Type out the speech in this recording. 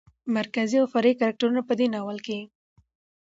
مرکزي او فرعي کرکترونو په دې ناول کې